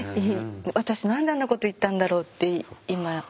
私何であんなこと言ったんだろうって今思えば。